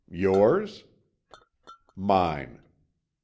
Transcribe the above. "Yours?" "Mine."